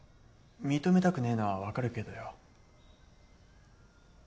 認めたくねえのはわかるけどよう。